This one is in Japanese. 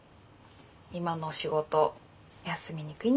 今の仕事休みにくいんだよね